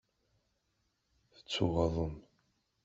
Tettuɣaḍem.